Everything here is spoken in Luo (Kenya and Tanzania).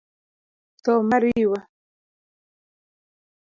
Tho mariwa;